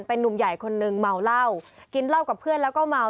เป็นนุ่มใหญ่คนนึงเมาเหล้ากินเหล้ากับเพื่อนแล้วก็เมา